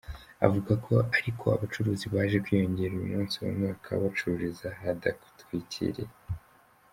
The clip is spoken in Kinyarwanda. Avuga ko ariko abacuruzi baje kwiyongera, uyu munsi bamwe bakaba bacururiza ahadatwikiriye.